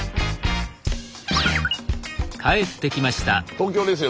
東京ですよ